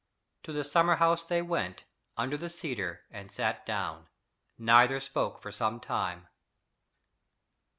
To the summer house they went, under the cedar, and sat down. Neither spoke for some time.